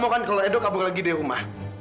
mau kan kalau edo kabur lagi dari rumah